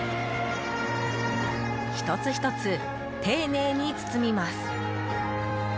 １つ１つ丁寧に包みます。